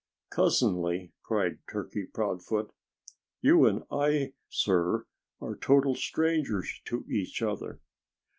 "Cousinly!" cried Turkey Proudfoot. "You and I, sir, are total strangers to each other."